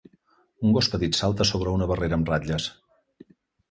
Un gos petit salta sobre una barrera amb ratlles.